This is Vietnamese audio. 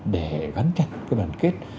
để gắn chặt cái đoàn kết